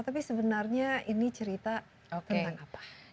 tapi sebenarnya ini cerita tentang apa